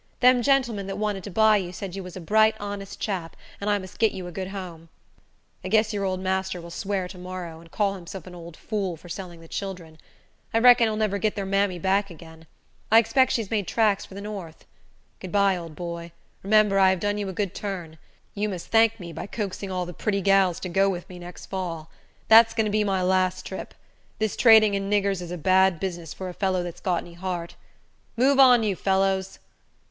Them gentlemen that wanted to buy you said you was a bright, honest chap, and I must git you a good home. I guess your old master will swear to morrow, and call himself an old fool for selling the children. I reckon he'll never git their mammy back again. I expect she's made tracks for the north. Good by, old boy. Remember, I have done you a good turn. You must thank me by coaxing all the pretty gals to go with me next fall. That's going to be my last trip. This trading in niggers is a bad business for a fellow that's got any heart. Move on, you fellows!"